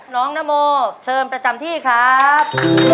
นโมเชิญประจำที่ครับ